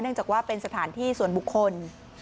จากว่าเป็นสถานที่ส่วนบุคคล